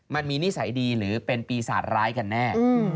นิสัยดีหรือเป็นปีศาจร้ายกันแน่